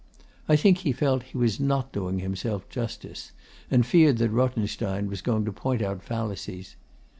I think he felt he was not doing himself justice, and feared that Rothenstein was going to point out fallacies.